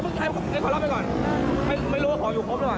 น้ำมะน้ำ